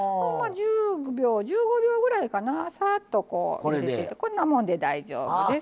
１０秒、１５秒ぐらいかなさっとこんなもんで大丈夫です。